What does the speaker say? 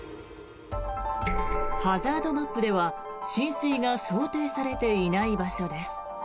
ハザードマップでは浸水が想定されていない場所です。